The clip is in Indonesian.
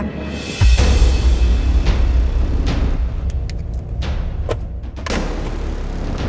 nah kita akan berbicara